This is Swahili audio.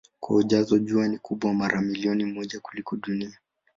Kwa ujazo Jua ni kubwa mara milioni moja kuliko Dunia.